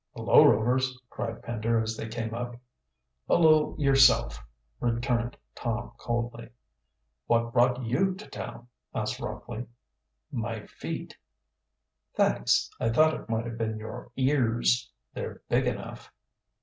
"Hullo, Rovers!" cried Pender as they came up. "Hullo, yourself," returned Tom coldly. "What brought you to town?" asked Rockley. "My feet." "Thanks. I thought it might have been your ears. They're big enough."